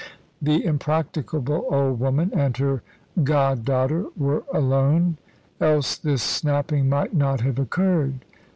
The impracticable old woman and her god daughter were alone, else this snapping might not have occurred.